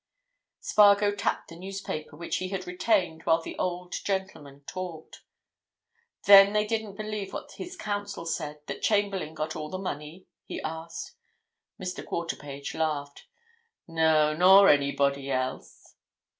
Spargo tapped the newspaper, which he had retained while the old gentleman talked. "Then they didn't believe what his counsel said—that Chamberlayne got all the money?" he asked. Mr. Quarterpage laughed. "No—nor anybody else!"